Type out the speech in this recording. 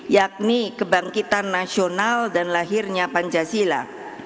yakni kebangkitan nasional dan lahirnya pancasila